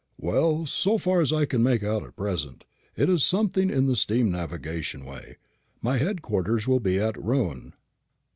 "Well, so far as I can make out at present, it is something in the steam navigation way. My head quarters will be at Rouen."